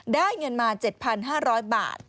ได้เงินมา๗๕๐๐บาท